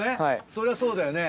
そりゃそうだよね。